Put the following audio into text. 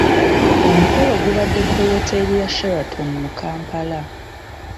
Omukolo gubadde ku wooteeri ya Sheraton mu Kampala.